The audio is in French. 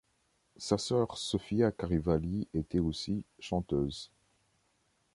Sa sœur Sofia Karivali était aussi chanteuse.